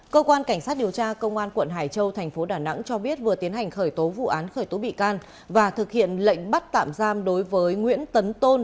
cơ quan cảnh sát điều tra công an quận hải châu thành phố đà nẵng cho biết vừa tiến hành khởi tố vụ án khởi tố bị can và thực hiện lệnh bắt tạm giam đối với nguyễn tấn tôn